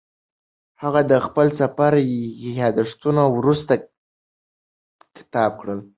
هغه د خپل سفر یادښتونه وروسته کتاب کړل.